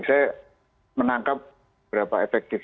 saya menangkap berapa efektif